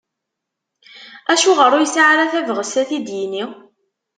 Acuɣer ur yesɛi ara tabɣest a t-id-yini?